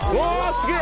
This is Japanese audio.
すげえ！